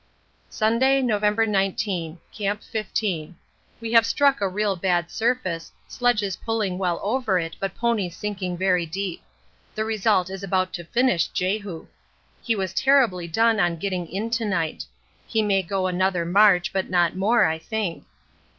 Sunday, November 19. Camp 15. We have struck a real bad surface, sledges pulling well over it, but ponies sinking very deep. The result is to about finish Jehu. He was terribly done on getting in to night. He may go another march, but not more, I think.